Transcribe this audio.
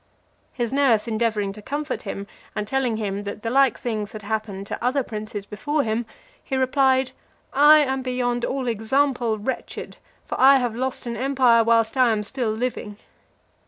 His nurse endeavouring to comfort him, and telling him that the like things had happened to other princes before him, he replied, "I am beyond all example wretched, for I have lost an empire whilst I am still living."